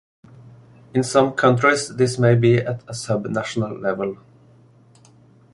In some countries this may be at a subnational level.